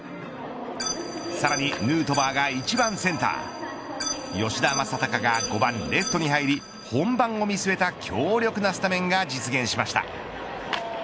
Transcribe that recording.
さらにヌートバーが１番センター吉田正尚が５番レフトに入り本番を見据えた強力なスタメンが実現しました。